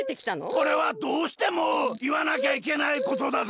これはどうしてもいわなきゃいけないことだぜ！